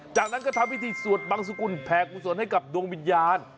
จากนั้นก็ทำพิธีสวดบังสุกุลแผ่กุศลให้กับดวงวิญญาณ